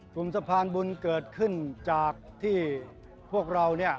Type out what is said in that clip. กลุ่มสะพานบุญเกิดขึ้นจากที่พวกเราเนี่ย